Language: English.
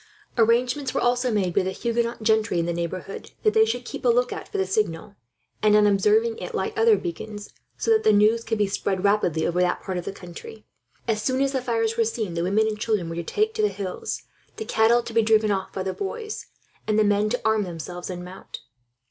Arrangements were also made, with the Huguenot gentry in the neighbourhood, that they should keep a lookout for the signal; and on observing it light other beacons, so that the news could be spread rapidly over that part of the country. As soon as the fires were seen, the women and children were to take to the hills, the cattle to be driven off by the boys, and the men to arm themselves and mount.